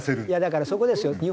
いやだからそこですよ。